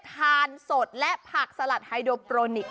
ทานสดและผักสลัดไฮโดโปรนิกส